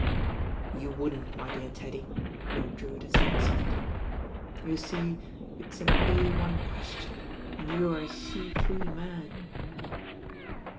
"You wouldn't, my dear Teddy," Lord Drewitt had said softly. "You see it's an Ai question and you are a C3 man."